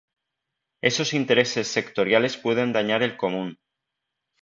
Esos intereses sectoriales pueden dañar el común.